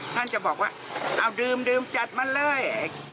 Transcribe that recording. ท่านจะบอกว่าเอาดื่มจัดมาเลย